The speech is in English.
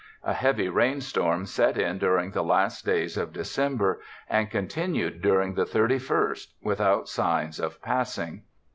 A heavy rainstorm set in during the last days of December and continued during the thirty first without signs of passing.